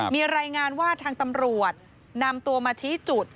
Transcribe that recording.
มีรายงานว่าทางตำรวจนำตัวมาชี้จุด